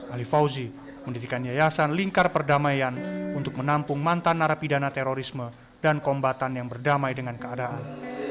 ali fauzi mendirikan yayasan lingkar perdamaian untuk menampung mantan narapidana terorisme dan kombatan yang berdamai dengan keadaan